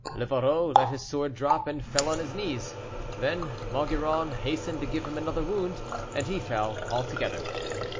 Livarot let his sword drop, and fell on his knees; then Maugiron hastened to give him another wound, and he fell altogether.